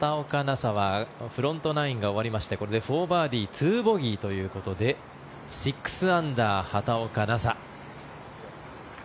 紗はフロントナインが終わりましてこれで４バーディー２ボギーということで６アンダー、畑岡奈紗。